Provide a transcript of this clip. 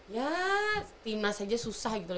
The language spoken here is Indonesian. yaa timnas aja susah gitu